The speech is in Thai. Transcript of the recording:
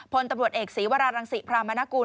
พลตำรวจเอกศีวรารังศิพรามนกุล